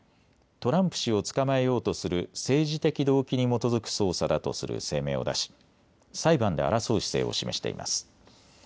トランプ氏を捕まえようとする政治的動機に基づく捜査だとする声明を出し、裁判で争う姿勢を示しています。